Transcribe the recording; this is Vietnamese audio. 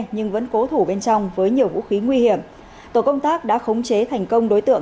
nhưng vẫn cố thủ bên trong với nhiều vũ khí nguy hiểm tổ công tác đã khống chế thành công đối tượng